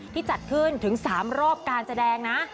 จัดขึ้นถึง๓รอบการแสดงนะ